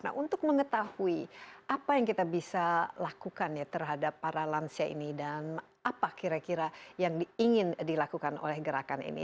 nah untuk mengetahui apa yang kita bisa lakukan ya terhadap para lansia ini dan apa kira kira yang ingin dilakukan oleh gerakan ini